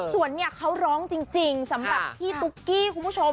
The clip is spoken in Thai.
ส่วนเนี่ยเขาร้องจริงสำหรับพี่ตุ๊กกี้คุณผู้ชม